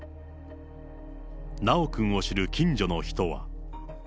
修くんを知る近所の人は。